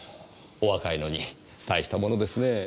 お若いのにたいしたものですねぇ。